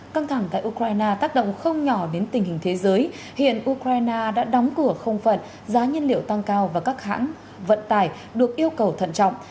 căng thẳng tại ukraine tác động không nhỏ đến tình hình thế giới hiện ukraine đã đóng cửa không phận giá nhân liệu tăng cao và các hãng vận tải được yêu cầu thận trọng